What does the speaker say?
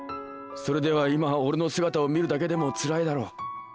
それでは今俺の姿を見るだけでもつらいだろう。